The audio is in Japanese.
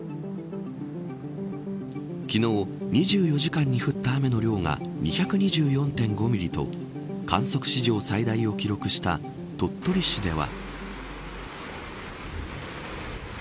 昨日２４時間に降った雨の量が２２４．５ミリと観測史上最大を記録した鳥取市では。